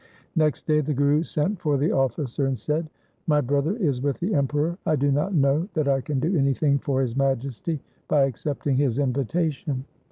Next day the Guru sent for the officer and said, ' My brother is with the Emperor, I do not know that I can do anything for His Majesty by accepting his invitation.'